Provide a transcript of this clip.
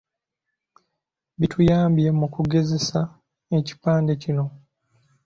Bituyambye mu kugezesa ekipande kino.